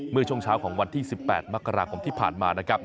เมื่อช่วงเช้าของวันที่๑๘มกราคมที่ผ่านมานะครับ